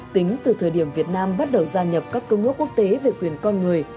tính từ thời điểm việt nam bắt đầu gia nhập các công ước quốc tế về quyền con người